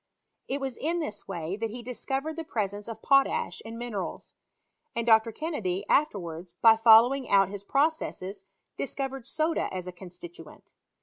It was in this way that he discovered the presence of potash in mineriils ; and Dr. Ken nedy afterwards, by following out his processes, dis covered soda OS a constituent.